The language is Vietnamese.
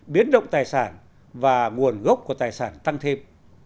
biến động tài sản và nguồn gốc của tài sản tăng thêm